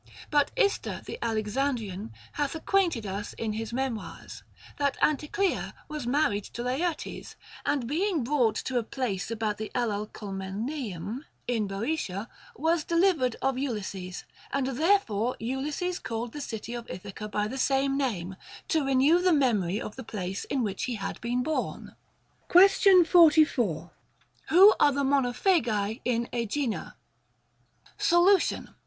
But Ister the Alexandrian hath acquainted us in his memoirs, that 286 THE GREEK QUESTIONS. Anticlea was married to Laertes, and being brought to a place about the Alalcomeneum in Boeotia, was delivered of Ulysses ; and therefore Ulysses called the city of Ithaca by the same name, to renew the memory of the place in which he had been born. Question 44. Who are the Monophagi in Aegina ? Solution.